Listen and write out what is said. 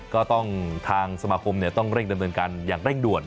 ก็ต้องทางสมาคมต้องเร่งดำเนินการอย่างเร่งด่วน